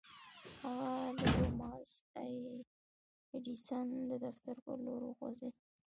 هغه د توماس اې ايډېسن د دفتر پر لور وخوځېد.